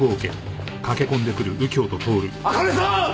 茜さん！！